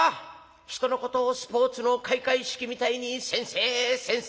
人のことをスポーツの開会式みたいに『先生！先生！』